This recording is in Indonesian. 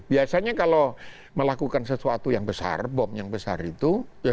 biasanya kalau melakukan sesuatu yang besar bom yang besar itu